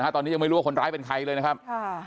ตอนนี้ยังไม่รู้ว่าคนร้ายเป็นใครเลยนะครับ